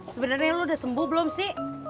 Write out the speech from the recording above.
sebenarnya lo udah sembuh belum sih